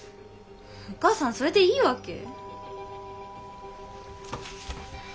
お母さんそれでいいわけ？